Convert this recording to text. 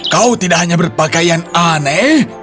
kau tidak hanya berpakaian aneh